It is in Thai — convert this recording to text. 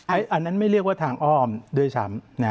อันนั้นไม่เรียกว่าทางอ้อมด้วยซ้ำ